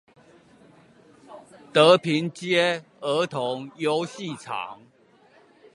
德平街兒童遊戲場